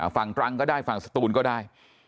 ตรังก็ได้ฝั่งสตูนก็ได้